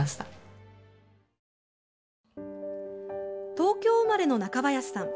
東京生まれの中林さん。